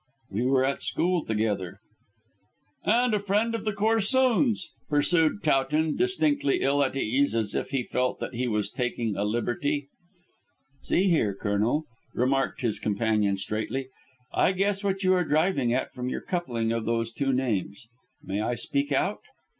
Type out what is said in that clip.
"We were at school together." "And a friend of the Corsoons," pursued Towton, distinctly ill at ease, as if he felt that he was taking a liberty. "See here, Colonel," remarked his companion straightly; "I guess what you are driving at from your coupling of those names. May I speak out?"